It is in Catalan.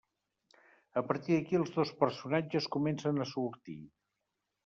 A partir d'aquí els dos personatges comencen a sortir.